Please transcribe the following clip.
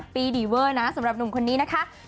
ปีดีเวอร์นะสำหรับหนุ่มคนนี้นะคะ